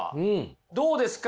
どうですか？